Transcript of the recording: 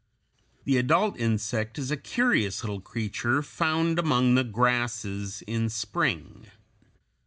The adult insect is a curious little creature found among the grasses in spring.